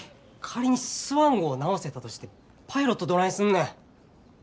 仮にスワン号を直せたとしてパイロットどないすんねん。